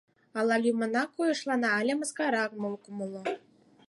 Ала лӱмынак койышлана, ала мыскарам ок умыло.